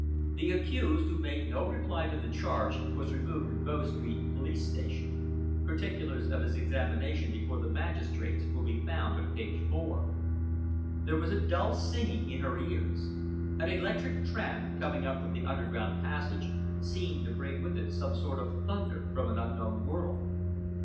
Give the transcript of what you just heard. The accused, who made no reply to the charge, was removed to Bow Street Police Station. Particulars of his examination before the magistrates will be found on page 4. There was a dull singing in her ears. An electric tram, coming up from the underground passage, seemed to bring with it some sort of thunder from an unknown world.